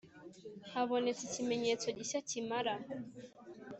Habonetse ikimenyetso gishya kimara